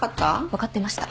分かってました。